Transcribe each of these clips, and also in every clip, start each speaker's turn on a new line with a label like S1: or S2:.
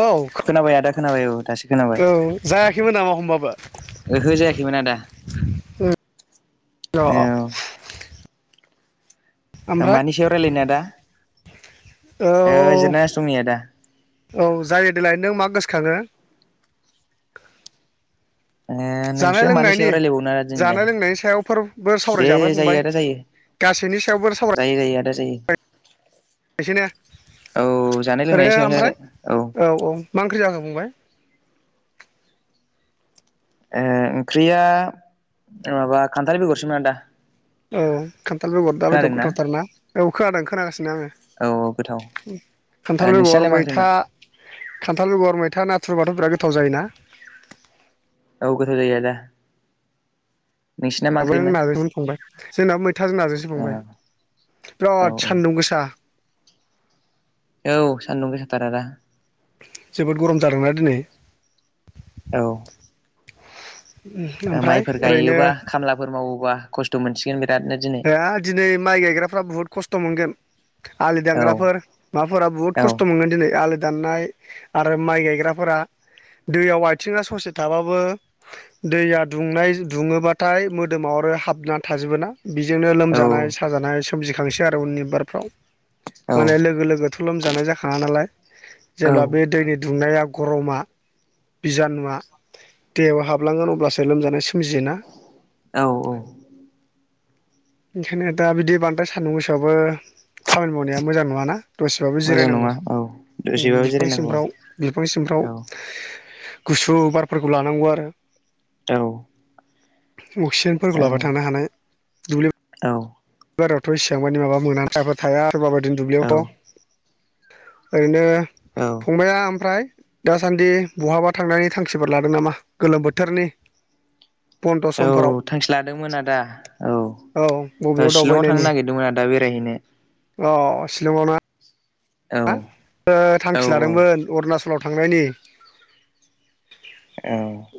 S1: औ
S2: खोनाबाय आदा खोनाबाय औ दासो खोनाबाय
S1: औ जायाखैमोन नामा होमबाबो
S2: ओहो जायाखैमोन आदा
S1: ओम अह अह
S2: औ मानि सायाव रायलायनो आदा
S1: औ
S2: ओ जिरायनासो दं नै आदा
S1: औ जायो देलाय नों मा गोसो खाङो
S2: नोंसोर मानि सायाव रायलायबावनो आरो दिनैलाय
S1: जानाय लोंनायनि सायावफोरबो
S2: दे
S1: सावरायजाबाय
S2: जायो
S1: फंबाय
S2: आदा जायो
S1: गासैनि सायावबो सावरायनोसै
S2: जायो जायो आदा जायो
S1: [unintelligible] ने
S2: औ जानाय लोंनायनि
S1: ओरैनो
S2: सायावनो आरो
S1: ओमफ्राय
S2: ओ
S1: औ औ मा ओंख्रि जाखो फंबाय
S2: ओंख्रिया माबा खान्थाल बेगरसोमोन आदा।
S1: ओ खान्थाल बेगर दा बादियाव
S2: खोनादोंना
S1: गोथावथारना औ खोनादों खोनागासिनो
S2: औ औ गोथाव ओ
S1: आङो खान्थाल बेगर
S2: नोंसिनालाय मा
S1: मैथा
S2: ओंख्रिमोन
S1: खान्थाल बेगर मैथा ना थुुर बाथ' बिराद गोथाव जायोना?
S2: औ गोथाव जायो आदा। नोंसिना मा
S1: मैथाजों
S2: ओंख्रिमोन
S1: नाजों संबाय जोंनाबो मैथाजों नाजोंसो
S2: औ
S1: फंबाय
S2: औ
S1: बिराद सान्दुं गोसा
S2: औ सान्दुं गोसाथार आदा
S1: जोबोद गरम जादोंना दिनै
S2: औ
S1: ओमफ्राय
S2: माइफोर
S1: ओरैनो
S2: गायोबा खामलाफोर मावोबा खस्थ' मोनसिगोन बे
S1: हा दिनै माइ गायग्राफ्रा बुहुद खस्थ' मोनगोन। आलि
S2: औ
S1: दांग्राफोर माबाफोरा बुहुत
S2: औ
S1: खस्थ' मोनगोन दिनै आलि दाननाय आरो माइ गायग्राफोरा दैयाव आथिङा ससे थाबाबो दैया दुंनाय दुङोबाथाय मोदोमाव आरो हाबना थाजोबोना बिजोंनो
S2: औ
S1: लोमजानाय साजानाय सोमजिखांसै आरो उननि बिबारफ्राव
S2: औ
S1: माने लोगो लोगो थु लोमजानाय जाखाङा नालाय
S2: औ
S1: जेब्ला बे दैनि दुंनाया गरमा बिजानुआ देहायाव हाबलांगोन अब्लासो लोमजानाय सोमजियोना।
S2: औ औ
S1: ओंखायनो दा बिदि बांद्राय सान्दुं गोसोआवबो खामानि मावनाया मोजां नङाना दसेबाबो
S2: मोजां
S1: जिरायनांगौ
S2: नङा औ दसेबाबो जिरायनांगौ
S1: बिफांसिमफ्राव
S2: औ
S1: बिफांसिमफ्राव गुसु बारफोरखौ लानांगौ आरो।
S2: औ औ
S1: अक्सिजेनफोरखौ लाबाय थानो हानाय दुब्लियाव
S2: औ
S1: बारियावथ' इसेबां मदि माबा मोनाना सायाफोर थाया सोरबाबायदिनो दुब्लियावथ' [unintelligible] ओरैनो
S2: औ
S1: फंबाया ओमफ्राय दासान्दि बहाबा थांनायनि थांखिफोर लादों नामा गोलोम बोथोरनि बन्दस
S2: औ थांखि लादोंमोन आदा औ
S1: औ बबेयाव
S2: शिलंआव थांनो
S1: दावबायनायनि
S2: नागिरदोंमोन आदा बेरायहैनो
S1: औ शिलंआव ना
S2: औ
S1: हा
S2: औ
S1: थांखि लादोंमोन अरुनाचलाव थांनायनि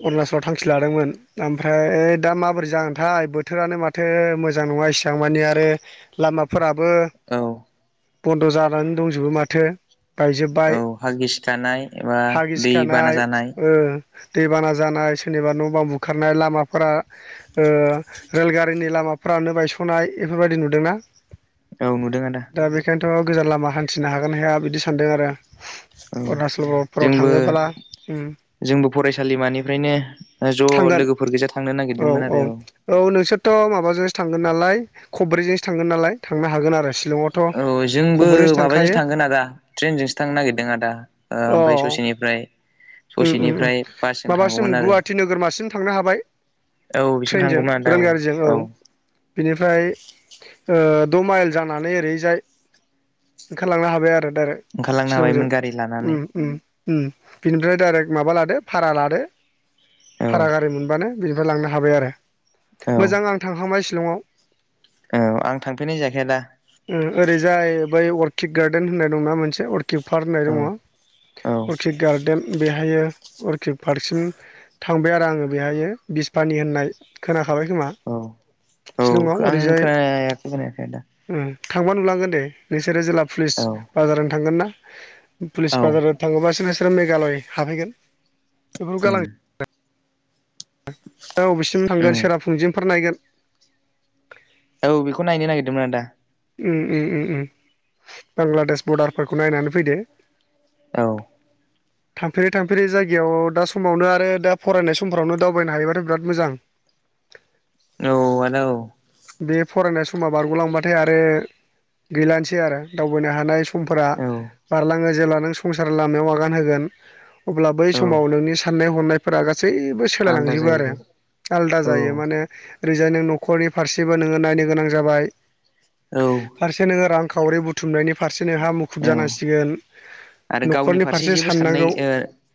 S1: अरुणाचल थां खि लादोंमोन ओमफ्राय दा माबोरै जागोनथाय बोथोरानो माथो मोजां नङा इसिबां मानि आर रो लामाफोराबो
S2: औ
S1: बन्द' जानानै दंजोबो माथो बायजोब्बाय
S2: औ हा गिसिखानाय एबा
S1: हा
S2: दै बाना
S1: गिखानाय
S2: जानाय
S1: ओ दैबाना जानाय सोरनिबा न' बां बुखारनाय लामाफोरा रेलगारिनि लामा माबाफ्रानो बायस'नाय बेफोरबायदि नुदोंना?
S2: औ नुदों आदा।
S1: थ' गोजान लामा हान्थिनो हागोन हाया बिदि सानदों आरो।
S2: औ
S1: अरुणचलफोराव
S2: जोंबो
S1: थाङोब्ला
S2: जोंबो फरायसालिमानिफ्रायनो ज'
S1: थांगोन
S2: लोगोफोर गोजा थांनो नागिरदोंमोन आरो औ
S1: माबाजोंसो थांगोन नालाय खब्रैजोंसो थांगोन नालाय थांनो हागोन आरो। शिलंआवथ'
S2: औ जोंबो
S1: खब्रैजोंसो
S2: माबाजोंसो
S1: थांखायो
S2: थांगोन आदा ट्रेनजोंसो थांनो नागिरदों आदा
S1: अ
S2: ओमफ्राय ससेनिफ्राय ससेनिफ्राय बासजों
S1: माबासिम
S2: थांगौमोन आरो
S1: गुवाहाटि नोगोरमासिम थांनो हाबाय।
S2: औ बिसिम
S1: ट्रेनजों
S2: थांगौमोन आदा
S1: रेलगारिजों औ बेनिफ्राय ओ द' माइल जानानै ओरैजाय ओंखारलांनो हाबाय आरो आरो
S2: ओंखारलांनो
S1: शिलंजों
S2: हाबायमोन गारि लानानै
S1: उम उम बिनिफ्राय डाइरेक्ट माबा लादो भारा लादो
S2: औ
S1: भारा गारि मोनबानो बिनिफ्राय लांनो हाबाय आरो
S2: औ
S1: मोजां आं थांखांबाय शिलंआव
S2: औ आं थांफेरनाय जायाखै आदा
S1: ओरैजाय ओ अर्किड गार्डेन होननाय दं ना मोन अर किउपार होननाय
S2: औ
S1: दङ
S2: औ
S1: अटिक गार्देन बेहायो अरकिक पार्कसिम थांबाय आरो आङो बेहायो बिसपानि होननाय खोना खाबाय खोमा
S2: औ औ
S1: शिलंआव
S2: आं
S1: ओरैजाय
S2: खोनायाखै खोनायाखै आदा
S1: उम थांबा नुलांगोन दे नोंसोरो जिल्ला पुलिस
S2: औ
S1: बाजाराव थांगोन ना पुलिस
S2: औ
S1: बाजाराव थाङोबासो नोंसोरो मेघालय हाबहैगोन। बेफोरखौ
S2: उम
S1: गालां अबेसिम
S2: उम
S1: थांगोन सेरा फुनजिफोर नायगोन
S2: औ बेखौ नायनो नागिरदोंमोन आदा
S1: उम उम उम बांगलादेश बरदारफोरखौ नायनानै फैदो
S2: [inaudible]
S1: थांफेरै थांफेरै जायगायाव दा समावनो आरो दा फरायनाय समफोरावनो दावबायनो हायोबथाय' बिराद मोजां
S2: औ आदा औ
S1: बे फरायनाय समा बारग'लांबाथाय आरो गैलानोसै आरो दावबायनो हानाय समफोरा
S2: औ
S1: बारलाङो जेब्ला नों संसार लामायाव आगान होगोन अब्ला बै
S2: औ
S1: समाव नोंनि साननाय हनायफोरा गासै सोलाय
S2: आलदा
S1: लांजोबो आरो
S2: जायो
S1: आलदा
S2: औ
S1: जायो माने ओरैजा नों नखरनि फारसेबो नोङो नायनो गोनां जाबाय
S2: औ
S1: फारसे नोङो रां खावरि बुथुमनायनि फारसे नोंहा मुखुब
S2: औ
S1: जानांसिगोन
S2: आरो गावनि
S1: न'खरनि फारसे
S2: जेबो साननाय
S1: साननांगौ
S2: ओ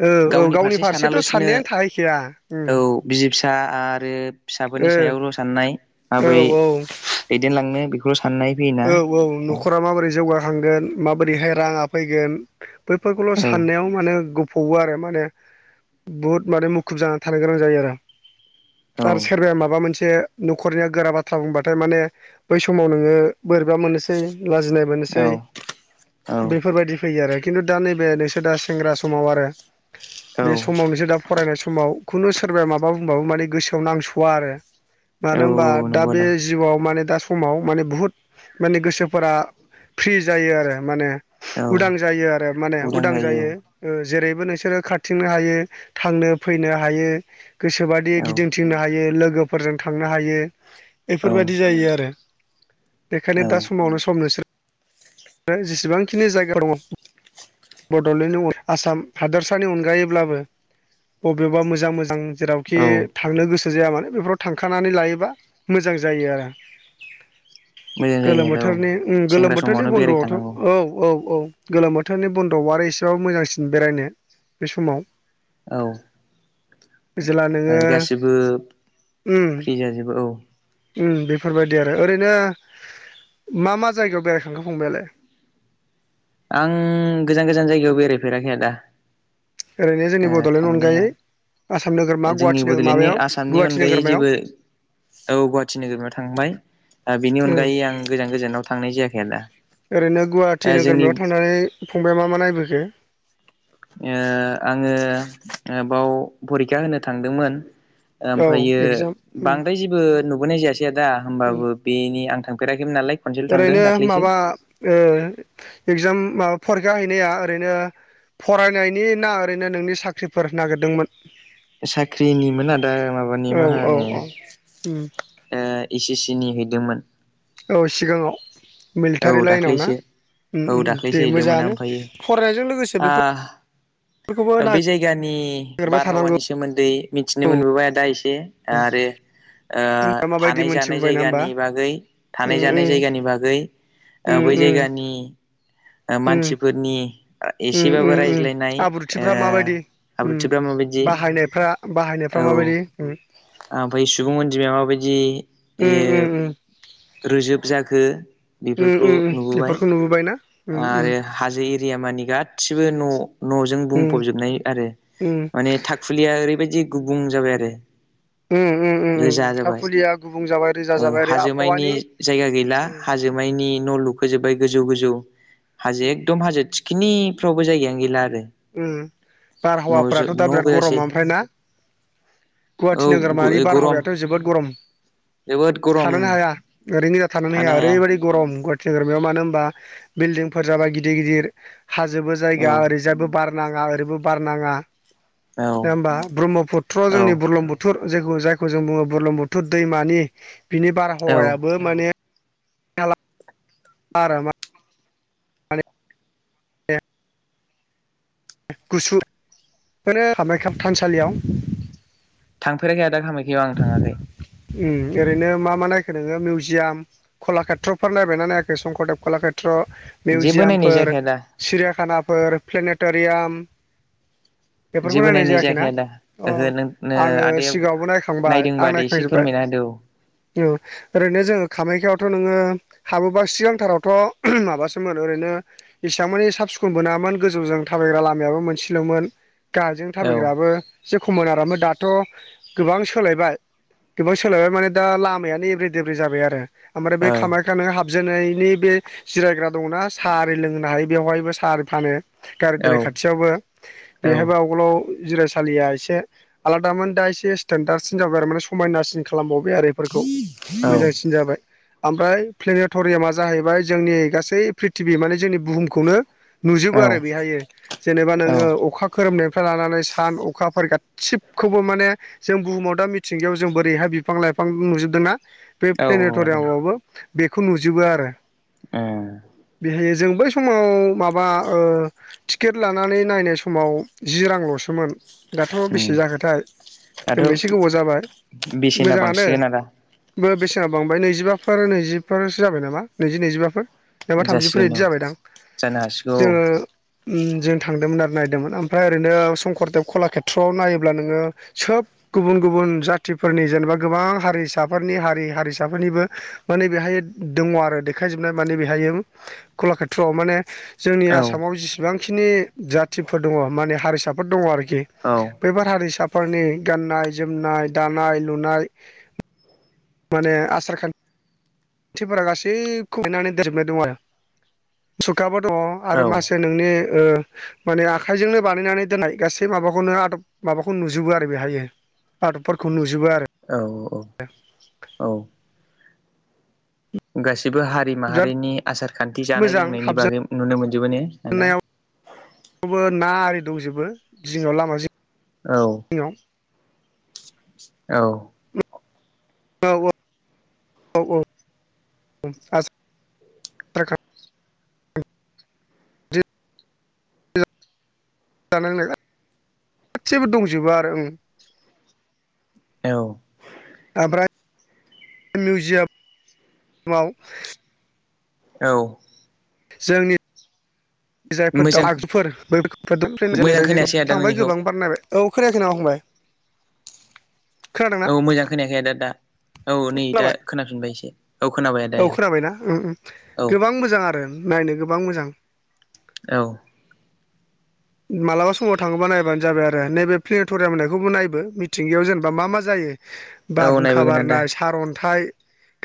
S1: औ औ गावनि
S2: फारसे
S1: फारसेथ'
S2: सानालासिनो
S1: साननायानो थाहैखाया ओम
S2: औ बिसि फिसा आरो फिसाफोरनि सायावल' साननाय माबोरै
S1: औ
S2: दैदेनलांनो बेखौ
S1: औ औ न'खरा माबोरै जौगाखांगोन माबोरैहाय राङा फैगोन बैफोरखौल'
S2: औ
S1: साननायाव माने गु फबो आरो माने बुहुद माने मुखुब जानानै थानो गोनां जायो आरो
S2: औ
S1: आरो सोरबाया माबा मोनसे न'खरनिया गोरा बाथ्रा बुंबाथाय माने बै समाव नोङो बोरैबा मोननोसै लाजिनाय मोननोसै
S2: औ
S1: बेफोरबायदि फैयो आरो खिन्थु दा नैबे नोंसोर दा सेंग्रा समाव आरो
S2: औ
S1: बे समाव नोंसोर दा फरायनाय समाव खुनु सोरबाया माबा बुंबाबो माने गोसोआव नांस'वा आरो मानो होनबा
S2: औ
S1: दा
S2: नंगौ
S1: बे
S2: आदा
S1: जिउआव माने दा समाव माने बुहुद माने गोसोफोरा फ्रि जायो आरो माने
S2: औ
S1: उदां जायो आरो माने उदां जायो जेरैबो नोंसोरो खारथिंनो हायो थांनो फैनो हायो गोसोबादि
S2: औ
S1: गिदिंथिंनो हायो लोगोफोरजों थांनो हायो
S2: औ
S1: बेफोरबादि जायो आरो बेखायनो
S2: औ
S1: दा समावनो सम नोंसोरो जेसेबांखिनि जायगा दङ बड'लेण्डनि आसाम हादोरसानि अनगायैब्लाबो बबेबा मोजां मोजां जेरावखि
S2: औ
S1: थांनो गो सो जाया मानो बेफोराव थांखानानै लायोबा मोजां जायो आरो
S2: मोजां जायो
S1: गोलोम
S2: आदा औ
S1: बोथोरनि गोलोम
S2: सेंग्रा
S1: बोथोरनि
S2: समावनो
S1: बन्द'आवथ'
S2: बेरायखानांगौ
S1: औ औ औ गोलोम बोथोरनि बन्द'आव आरो एसेबाबो मोजांसिन बेरायनो बे समाव
S2: औ
S1: जेला नोङो
S2: आरो गासिबो
S1: उम
S2: फ्रि जाजोबो औ
S1: उम बेफोरबायदि आरो ओरैनो मा मा जायगायाव बेरायखांखो फंबायालाय
S2: आं गोजान गोजान जायगायाव बेरायफेराखै आदा
S1: ओरैनो जोंनि
S2: ओ
S1: बड'लेण्ड
S2: थांनाया
S1: अनगायै आसाम नोगोरमा
S2: जोंनि
S1: गुवाहाटि
S2: बड'लेण्डनि
S1: माबायाव
S2: आसामनि
S1: गुवाहाटि
S2: अनगायै
S1: नोगोरमायाव
S2: जेबो औ गुवाहाटि नोगोराव थांबाय बेनि
S1: उम
S2: अनगायै आं गोजान गोजानाव थांनाय जाया
S1: ओरैनो गुवाहाटि नोगोरमयाव थांनानै फंबाया मा मा नायबोखो
S2: ओ आङो बाव परिखा होनो थांदोंमोन
S1: औ
S2: ओमफायो
S1: एगजाम उम
S2: बांद्राय जेबो नुबोनाय जायासै आदा
S1: उम
S2: होमबाबो बेनि फेराखैमोन नालाय खनसेल' थांदों
S1: ओरैनो
S2: दाख्लैसो
S1: माबा ओ एगजाम माब फरिखा हैनाया ओरैनो फरायनायनि ना ओरैनो नोंनि साख्रिफोर नागिरदोंमोन
S2: साख्रिनिमोन आदा माबानि
S1: औ
S2: मा होनो
S1: औ उम
S2: ओ इ सि सिनि हैदोंमोन
S1: औ सिगाङाव
S2: औ
S1: मिलिटारि लाइनाव ना
S2: दाख्लैसो
S1: उम
S2: औ
S1: उम
S2: दाख्लैसो
S1: दे
S2: हैदोंमोन
S1: मोजाङानो
S2: ओमफ्रायो
S1: फरायनायजों लोगोसे बेफोर
S2: ओ बे जायगानि
S1: नागिरबाय थानांगौ
S2: बारहावानि सोमोनदै मिथिनो
S1: औ
S2: मोनबोबाय आदा एसे आरो ओ‌
S1: दा माबायदि
S2: थानाय जानाय
S1: मोनथिबोबायना होमबा
S2: जायगानि बागै थानाय
S1: उम
S2: जानाय
S1: उम
S2: जायगानि बागै ओ‌
S1: उम
S2: बै
S1: उम
S2: जायगानि
S1: उम
S2: मानसिफोरनि
S1: उम
S2: एसेबाबो
S1: उम
S2: रायज्लायनाय
S1: उम
S2: ओ
S1: आब्रुथिफ्रा माबायदि उम
S2: आब्रुथिफ्रा माबायदि
S1: बाहायनायफ्रा बाहायनायफ्रा माबायदि
S2: आमफाय सुबुं अनजिमाया माबायदि ओ
S1: उम उम उम
S2: रोजोब जाखो
S1: उम
S2: बेफोरखौ
S1: उम
S2: नुबोबाय
S1: बेफोरखौ नुबोबायना उम उम
S2: आरो हाजो एरिया मानि गासिबो न' न'जों
S1: उम
S2: बुंफबजोबनाय आरो
S1: उम
S2: माने थाखुलिया ओरैबायदि गुबुं जाबाय आरो
S1: उम उम
S2: रोजा
S1: उम
S2: जाबाय
S1: थाखुलिया गुबुं जाबाय रोजा
S2: औ
S1: जाबाय ओरै
S2: हाजो मायनि
S1: आबहावानि
S2: जायगा गैला
S1: उम
S2: हाजो हाजो मायनि न' लुखोजोबबाय गोजौ गोजौ हाजो
S1: उम
S2: एकदम हाजो थिखिनिफ्रावबो जायगायानो गैला आरो
S1: उम
S2: न'जों
S1: बारहावाफोराथ' दा
S2: न'
S1: बिराद गरम
S2: गोजासै
S1: ओमफ्राय ना गुवाहाटि नोगोरमानि
S2: औ गरम
S1: बारहावायाथ' जोबोद गरम
S2: जोबोद गरम
S1: थानोनो हाया ओरैनो थानानै हाया ओरैबायदि गरम नोगोरमायाव मानो होनबा बिल्डिंफोर जाबाय गिदिर गिदिर हाजोबो
S2: औ
S1: जायगा ओरैजाबो बार नाङा ओरैबो बार नाङा
S2: औ
S1: नङा होनबा ब्रह्मपुत्र
S2: औ
S1: जोंनि बुरलुंबुथुर जिखौ जायखौ जों बुङो बुरलुंबुथुर दैमानि बिनि
S2: औ
S1: बारहावायाबो माने [unintelligible] गुसु होनो कामाख्या थानसालियाव
S2: थांफेराखै आदा कामाख्याव आं थाङाखै
S1: उम ओरैनो मा मा नायखो नोङो मिउजियाम कलाकेत्रफोर नायबायना नायाखै शकरदेब कलाकेत्र
S2: जेबो नायनाय
S1: मिउजियामफोर
S2: जायाखै आदा
S1: सिरियाखानाफोर प्लेनेट'रियाम बेफोरखौ
S2: जेबो
S1: नायनाय जायाखैना
S2: जायाखै आदा
S1: अ
S2: ओहो नों
S1: आङो
S2: आदाया
S1: सिगाङावबो नायखां बाय
S2: नायदोंबा
S1: आं
S2: दे एसे
S1: नायखांजोबबाय
S2: फोरमायना होदो
S1: औ ओरैनो जों कामाख्या फोरावथ' नोङो हाबोबा सिगांथारावथ' माबासोमोन ओरैनो इसेबां मानि साब सिखुन बो नङामोन गोजौजों थाबायग्रा लामायो मोनसेल'मोन गाहायजों
S2: औ
S1: थाबायग्राबो एसे खममोन आरो दाथ' गोबां सोलायबाय गोबां सोलायबाय माने दा लामायानो एब्रे देब्रे जाबाय आरो ओमफ्राय बे
S2: औ
S1: कामाख्या हाब हाबजेननायनि बे जिरायग्रा दंना साआरि लोंनो हायो बेवहायबो सा फानो गारि
S2: औ
S1: दोननाय खाथियावबो
S2: औ
S1: बेहायबो आवगोलाव जिरायसालिया एसे आलादामोन दा एसे स्टेनडार्द सिन जाबाय आरो माने समायनासिन खालामबाव बाय आरो इफोरखौ
S2: औ
S1: मोजांसिन जाबाय ओमफ्राय प्लेनट'रियामा जाहैबाय जोंनि गासै प्रिथिबि माने जोंनि बुहुमखौनो नुजोबो आरो
S2: औ
S1: बेहायो जेनेबा नोङो
S2: आदा
S1: अखा खोरोमनाय फ्राय लानानै सान अखाफोर गासिबखौबो माने जों बुहुमाव दा मिथिंगायाव जों बोरैहाय बिफां लाइफां नुजोबदोंना बे
S2: उम
S1: प्लेनेट'रियामावबो बेखौ नुजोबो आरो
S2: ए
S1: बेहाय जों बै समाव माबा ओ टिकेट लानानै नायनाय समाव जि रांल'सोमोन दाथ'
S2: उम
S1: बेसे जाखोथाय
S2: दाथ'
S1: जोंबो एसे गोबाव जाबाय
S2: बेसेना
S1: मोजाङानो
S2: बांसिगोन आदा
S1: बेसेना बांबाय नैजिबाफोर नैजिफोरसो जाबाय नामा नैजि नैजिबाफोर जेनेबा थामजिफोर
S2: जासिगोन
S1: बिदि
S2: औ
S1: जाबायदां
S2: जानो हासिगौ
S1: जोङो जों थांदोंमोन आरो नायदोंमोन ओमफ्राय ओरैनो शंकरदेब कलाकेत्रआव नायोब्ला नोङो सोब गुबुन गुबुन जाथिफोरनि जेनेबा गोबां हारिसाफोरनि हारि हारिसाफोरनिबो माने बेहाय दङ आरो देखायजोबनाय माने बेहाय कलाकेत्रआव माने जोंनि
S2: औ
S1: आसामाव जेसेबांखिनि जाथिफोर दङ माने हारिसाफोर दङ आरोखि दि
S2: औ
S1: बेफोर हारिसाफोरनि गाननाय जोमनाय दानाय लुनाय माने आसार खान थिफोरा गासैखौबो लिरनानै देनजोबनाय दं आरो मुसुखाबो दङ
S2: औ
S1: आरो माखासे नोंनि ओ माने आखाइजोंनो बानायनानै दोननाय गासै माबाखौनो आदब माबाखौ नुजोबो आरो बेहायो पार्कफोरखौनो नु
S2: औ औ औ गायस जेबो हारि
S1: बिराद
S2: माहारिनि आसार खान्थि जानाय
S1: मोजां
S2: लोंनायनि बागै नुनो मोनजोबो ने आदा
S1: खौबो ना आरि दंजोबो जिङाव लामा जिं
S2: औ औ
S1: औ औ औ औ [unintelligible] [unintelligible] [unintelligible] गासिबो दंजोबो आरो ओं
S2: औ
S1: ओमफ्राय मिउजियाम माव
S2: औ
S1: जोंनि जायफोर
S2: मोजां
S1: दं आगजुफोर
S2: मोजां
S1: बैफोर
S2: खोनायासै
S1: [unintelligible]
S2: आदा
S1: थांबाय
S2: नोंनिखौ
S1: गोबां बार नायबाय औ खोनायाखै नामा फंबाय खोनादोंना
S2: औ मोजां खोनायाखै आदा दा औ नै दा
S1: खोनाबाय
S2: खोनाफिनबाय एसे औ खोनाबाय आदा
S1: औ खोनाबायना उम उम
S2: औ
S1: गोबां मोजां आरो नायनो गोबां मोजां
S2: औ
S1: मालाबा समाव थाङोबा नायबानो जाबाय आरो नैबे प्लेनेट'रियाम होननायखौबो नायबो मिथिंगायाव जेनेबा मा मा जायो।
S2: औ
S1: बारहुंखा
S2: नायबोगोन आदा
S1: बारनाय सारअन्थाइ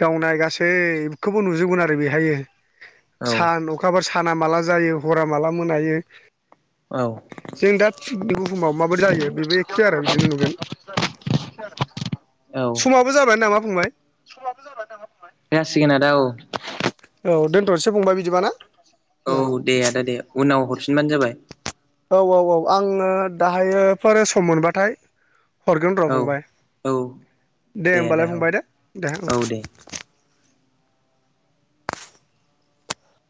S1: गावनाय गासैखौबो नुजगोन आरो बेहायो
S2: औ
S1: सान अखाफोर सान ना माला जायो हरा माला मोनायो
S2: औ
S1: जों दा बुहुमाव माबोरै जायो बेबो एखे आरो बिदिनो नुगोन।
S2: [inaudible]
S1: समाबो जाबाय नामा फंबाय
S2: जासिगोन आदा औ
S1: दोनथ'सै फंबाय बिदिबा ना
S2: औ दे आदा दे उनाव हरफिनबानो जाबाय
S1: औ औ औ आङो दाहायोफोर सम मोनबाथाय हरगोन र'
S2: औ
S1: फंबाय
S2: औ
S1: दे
S2: आदा
S1: होमबालाय
S2: औ
S1: फंबाय दे दे ओं